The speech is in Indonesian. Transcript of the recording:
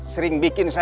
sering bikin sebuah